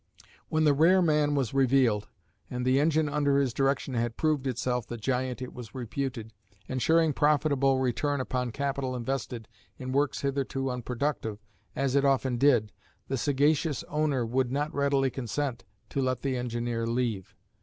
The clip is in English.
When the rare man was revealed, and the engine under his direction had proved itself the giant it was reputed, ensuring profitable return upon capital invested in works hitherto unproductive, as it often did, the sagacious owner would not readily consent to let the engineer leave.